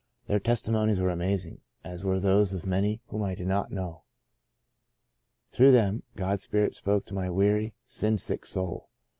Their testimonies were amazing, as were those of many whom I did not know. 50 De Profundis Through them, God's Spirit spoke to my weary, sin sick soul.